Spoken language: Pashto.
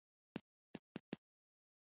لینین په زر نه سوه څلرویشت کال کې مړ شو